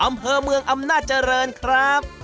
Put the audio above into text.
อำเภอเมืองอำนาจเจริญครับ